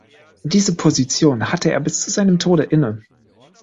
Diese Position hatte er bis zu seinem Tode inne.